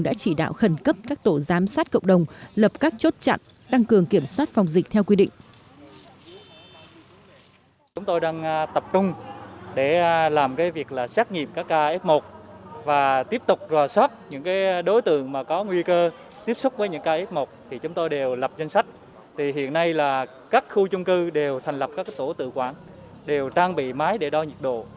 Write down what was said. đã chỉ đạo khẩn cấp các tổ giám sát cộng đồng lập các chốt chặn tăng cường kiểm soát phòng dịch theo quy định